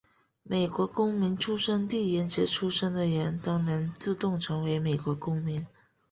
美国公民出生地原则出生的人都能自动成为美国公民。